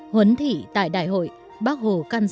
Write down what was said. huấn thỷ tại đại hội bác hồ can rằng